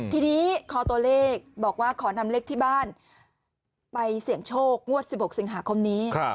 ทีนี้คอตัวเลขบอกว่าขอนำเลขที่บ้านไปเสี่ยงโชคงวด๑๖สิงหาคมนี้